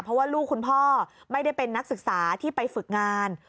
เพราะว่าลูกคุณพ่อไม่ได้เป็นนักศึกษาที่ไปฝึกงาน